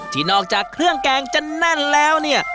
ที่นอกจากเครื่องแกงจะแน่นแล้วเนี่ย